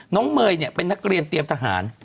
เมย์เป็นนักเรียนเตรียมทหาร